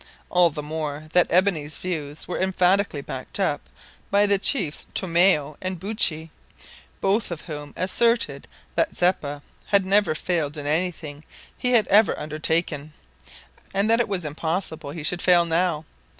All the more that Ebony's views were emphatically backed up by the chiefs Tomeo and Buttchee, both of whom asserted that Zeppa had never failed in anything he had ever undertaken, and that it was impossible he should fail now.